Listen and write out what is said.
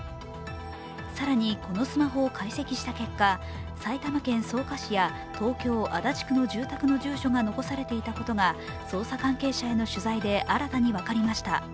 更に、このスマホを解析した結果埼玉県草加市や東京・足立区の住宅の住所が残されていたことが捜査関係者への取材で新たに分かりました。